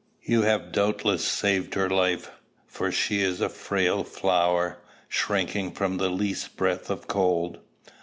You have doubtless saved her life; for she is a frail flower, shrinking from the least breath of cold."